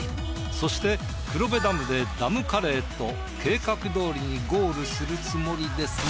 そして黒部ダムでダムカレーと計画どおりにゴールするつもりですが。